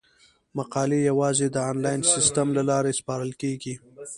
مقالې یوازې د انلاین سیستم له لارې سپارل کیږي.